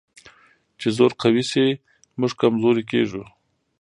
چې زور قوي شي، موږ کمزوري کېږو.